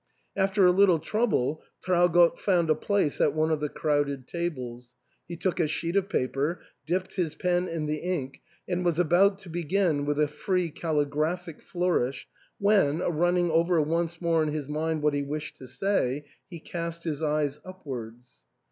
After a little trouble, Traugott found a place at one of the crowded tables ; he took a sheet of paper, dipped his pen in the ink, and was about to begin with a free caligraphic flourish, when, running over once more in his mind what he wished to say, he cast his eyes upwards.